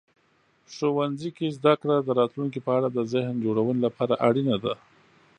ښوونځي کې زده کړه د راتلونکي په اړه د ذهن جوړونې لپاره اړینه ده.